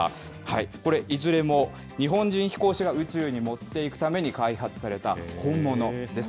これ、いずれも日本人飛行士が宇宙に持っていくために開発された本物です。